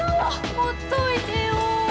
ほっといてよ